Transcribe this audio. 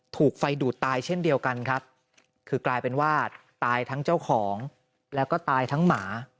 ถูกไฟดูดตายเช่นเดียวกันครับคือกลายเป็นว่าตายทั้งเจ้าของแล้วก็ตายทั้งหมา